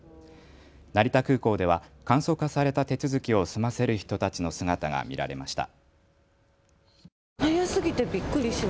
成田空港では簡素化された手続きを済ませる人たちの姿が見られました。